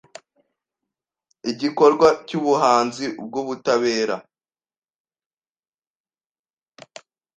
Igikorwa cyubuhanzi bwubutabera